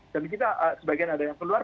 kita sebagian ada yang keluar